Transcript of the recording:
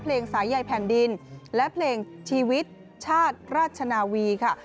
สายใยแผ่นดินและเพลงชีวิตชาติราชนาวีค่ะ